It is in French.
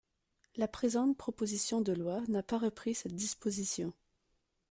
La présente proposition de loi n’a pas repris cette disposition.